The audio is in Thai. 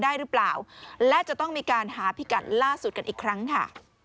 ได้หรือเปล่าและจะต้องมีการหาพิกัดล่าสุดกันอีกครั้งค่ะ